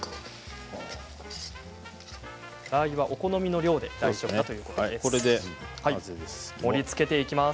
ラーユはお好みの量で大丈夫だということです。